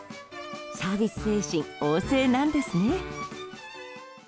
サービス精神旺盛なんですね。